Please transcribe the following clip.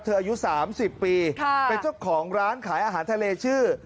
อายุ๓๐ปีเป็นเจ้าของร้านขายอาหารทะเลชื่อ